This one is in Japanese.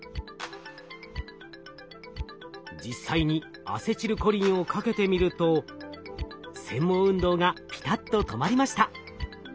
実際にアセチルコリンをかけてみると繊毛運動がピタッと止まりました。